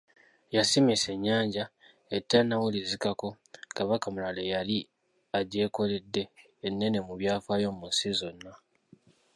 Yasimisa ennyanja, etannawulizikako Kabaka mulala eyali agyekoledde ennenemu byafaayo mu nsi zonna.